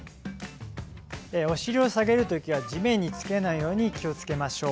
お尻を下げるときは地面につけないように気をつけましょう。